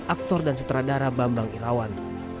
aktor dan sutradara bambang irawan